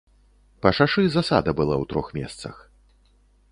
Па шашы засада была ў трох месцах.